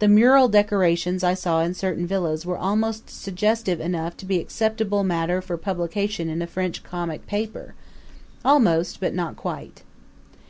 The mural decorations I saw in certain villas were almost suggestive enough to be acceptable matter for publication in a French comic paper; almost, but not quite.